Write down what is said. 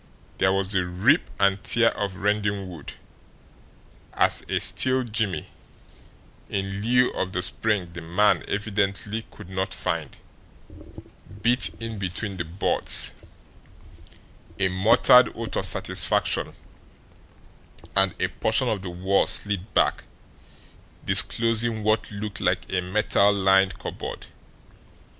There was the rip and tear of rending wood, as a steel jimmy, in lieu of the spring the man evidently could not find, bit in between the boards, a muttered oath of satisfaction, and a portion of the wall slid back, disclosing what looked like a metal lined cupboard.